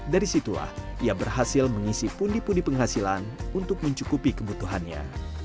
dari situlah ia berhasil mengisi pundi pundi penghasilan untuk mencukupi kebutuhannya